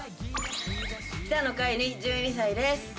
北野快浬１２歳です。